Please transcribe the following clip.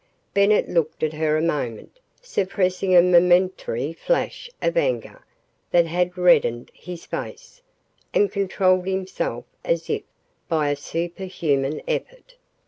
Bennett looked at her a moment, suppressing a momentary flash of anger that had reddened his face, and controlled himself as if by a superhuman effort.